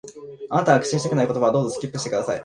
あなたが口にしたくない言葉は、どうぞ、スキップして下さい。